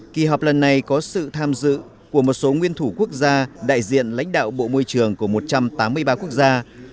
kỳ họp lần này có sự tham dự của một số nguyên thủ quốc gia đại diện lãnh đạo bộ môi trường của một trăm tám mươi ba quốc gia